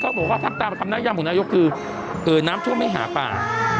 เขาบอกว่าพักตามคำนักยามของนายก็คือน้ำท่วมให้หาปลา